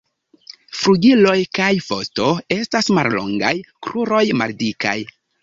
Flugiloj kaj vosto estas mallongaj, kruroj maldikaj.